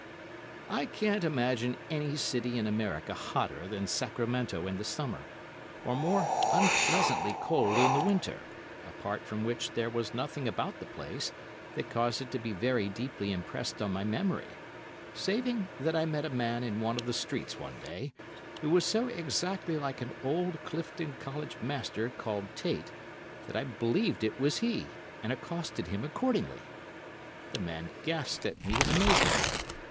I can't imagine any city in America hotter than Sacramento in the summer, or more unpleasantly cold in the winter, apart from which there was nothing about the place that caused it to be very deeply impressed on my memory, saving that I met a man in one of the streets one day who was so exactly like an old Clifton College master called Tait that I believed it was he, and accosted him accordingly. The man gasped at me in amazement.